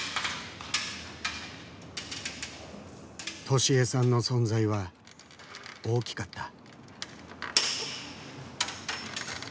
登志枝さんの存在は大きかった。